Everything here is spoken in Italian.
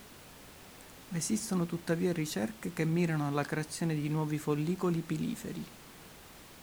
Esistono tuttavia ricerche che mirano alla creazione di nuovi follicoli piliferi.